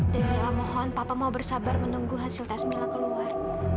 dan mila mohon papa mau bersabar menunggu hasil tes mila keluar